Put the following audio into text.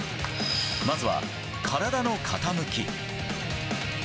まずは、体の傾き。